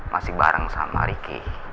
masih bareng sama riki